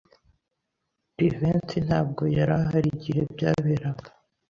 Jivency ntabwo yari ahari igihe byaberaga.